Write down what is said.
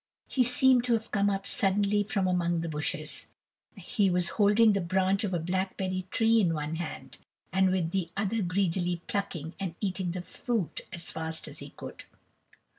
He seemed to have come up suddenly from among the bushes; he was holding the branch of a blackberry tree in one hand, and with the other greedily plucking and eating the fruit as fast as he could.